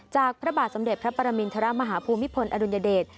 พระบาทสมเด็จพระปรมินทรมาฮภูมิพลอดุลยเดช